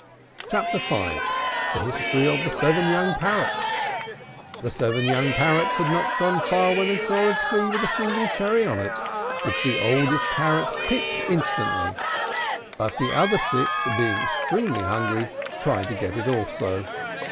CHAPTER V. THE HISTORY OF THE SEVEN YOUNG PARROTS. The seven young Parrots had not gone far, when they saw a tree with a single cherry on it, which the oldest Parrot picked instantly; but the other six, being extremely hungry, tried to get it also.